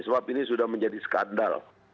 sebab ini sudah menjadi skandal